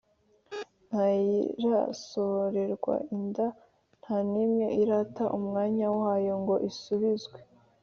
ntayirasohorerwa inda: nta n’imwe irata umwanya wayo ngo isubizwe